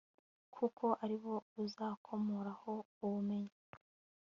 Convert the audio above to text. kuko ari bo uzakomoraho ubumenyi